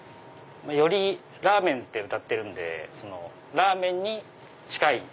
ラーメンってうたってるんでラーメンに近い。